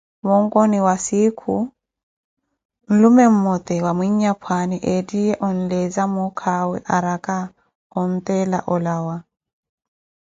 Monkoni wa sikhu, nlume mmote wa mwinyapwaani ettiye onleeza muuka awe araka onettala olawa.